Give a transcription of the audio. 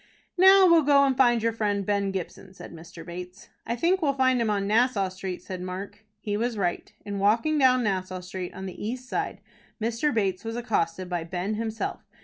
"Now we'll go and find your friend, Ben Gibson," said Mr. Bates. "I think we'll find him on Nassau Street," said Mark. He was right. In walking down Nassau Street on the east side, Mr. Bates was accosted by Ben himself.